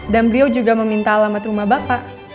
dan beliau juga meminta alamat rumah bapak